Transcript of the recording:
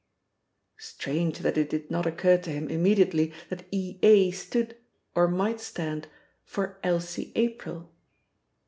Strange that it did not occur to him immediately that E.A. stood, or might stand, for Elsie April!